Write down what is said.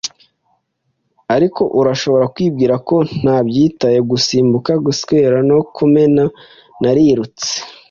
Ariko urashobora kwibwira ko ntabyitayeho; gusimbuka, guswera, no kumena, narirutse